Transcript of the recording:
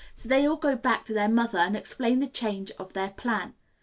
So they all go back to their mother and explain the change of their plan.